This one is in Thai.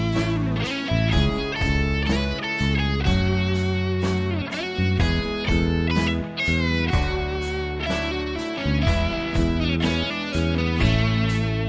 สมาธิพร้อม